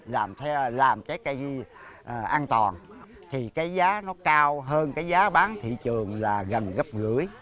làm theo làm cái cây an toàn thì cái giá nó cao hơn cái giá bán thị trường là gần gấp gửi